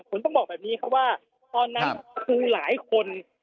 ผมต้องบอกแบบนี้ครับว่าตอนนั้นคือหลายคน